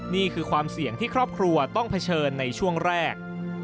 นี่คือความเสี่ยงที่ครอบครัวต้องเผชิญในช่วงแรก